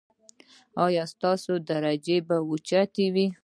ایا ستاسو درجات به اوچت وي؟